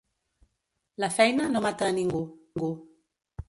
La feina no mata a ningú.